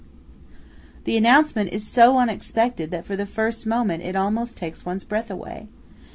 The announcement is so unexpected that for the first moment it almost takes one's breath away.